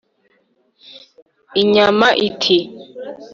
Inyama iti: